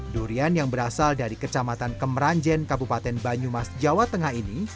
durian yang berasal dari kecamatan kemeranjen kabupaten banyumas jawa tengah ini